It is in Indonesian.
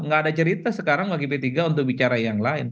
gak ada cerita sekarang bagi p tiga untuk bicara yang lain